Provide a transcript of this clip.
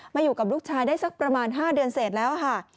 อยู่กับลูกชายได้สักประมาณ๕เดือนเสร็จแล้วค่ะ